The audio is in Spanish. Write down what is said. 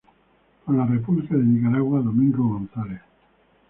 Por la República de Nicaragua: Domingo González.